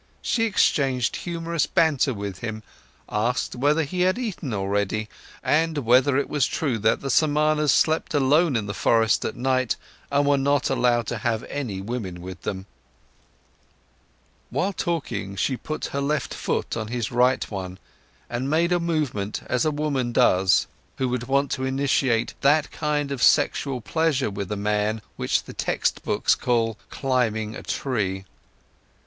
She exchanged humorous banter with him, asked whether he had eaten already, and whether it was true that the Samanas slept alone in the forest at night and were not allowed to have any women with them. While talking, she put her left foot on his right one and made a movement as a woman does who would want to initiate that kind of sexual pleasure with a man, which the textbooks call "climbing a tree".